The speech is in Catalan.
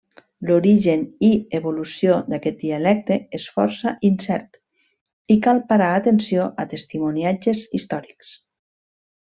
L’origen i evolució d’aquest dialecte és força incert i cal parar atenció a testimoniatges històrics.